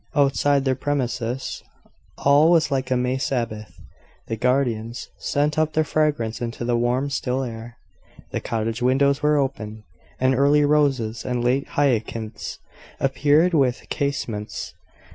Outside their premises, all was like a May sabbath. The gardens sent up their fragrance into the warm, still air: the cottage windows were open, and early roses and late hyacinths appeared within the casements.